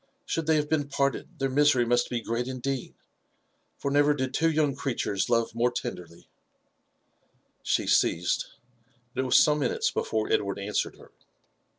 Should they have been parted, their misery must be great indeed, for never did two young creatures love more tenderly/* She ceased ; but it was some minutes before Edward answered her.